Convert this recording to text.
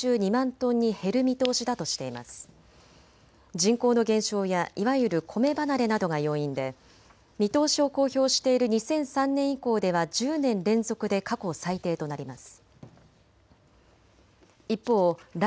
人口の減少やいわゆるコメ離れなどが要因で見通しを公表している２００３年以降では１０年連続で過去最低となります。